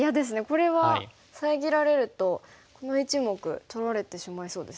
これは遮られるとこの１目取られてしまいそうですね。